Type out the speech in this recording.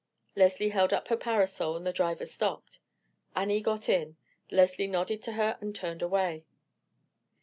Leslie held up her parasol and the driver stopped. Annie got in; Leslie nodded to her and turned away.